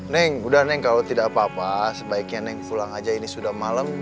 neng udah neng kalau tidak apa apa sebaiknya neng pulang aja ini sudah malam